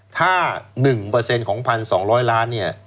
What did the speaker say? ถ้า๑ของ๑๒๐๐ล้านเนี่ย